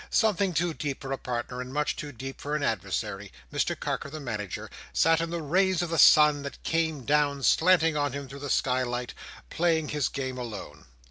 Something too deep for a partner, and much too deep for an adversary, Mr Carker the Manager sat in the rays of the sun that came down slanting on him through the skylight, playing his game alone.